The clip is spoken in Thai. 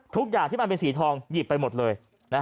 ทุกอย่างที่มันเป็นสีทองหยิบไปหมดเลย